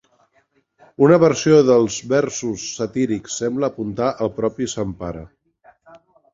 Una versió del versos satírics sembla apuntar al propi Sant Pare.